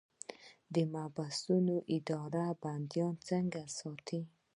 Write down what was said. د محبسونو اداره بندیان څنګه ساتي؟